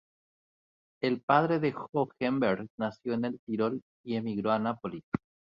El padre de Hohenberg nació en el Tirol y emigró a Nápoles.